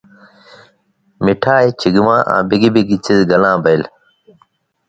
مِٹھائ، چِگمہ آں بِگ بِگ څیزہۡ گلاں بیئل